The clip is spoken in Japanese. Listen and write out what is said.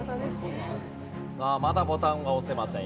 さあまだボタンは押せません。